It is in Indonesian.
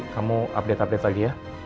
kamu update update tadi ya